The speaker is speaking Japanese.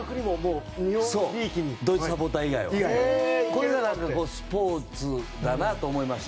それがスポーツだなと。